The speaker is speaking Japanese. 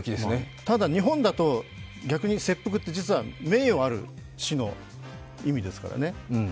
ただ日本だと、逆に切腹って名誉ある死の意味ですからね。